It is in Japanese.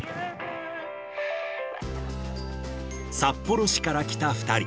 札幌市から来た２人。